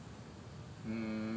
うん。